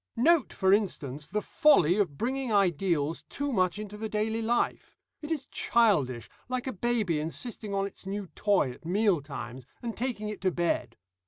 "Note, for instance, the folly of bringing ideals too much into the daily life; it is childish, like a baby insisting on its new toy at meal times, and taking it to bed.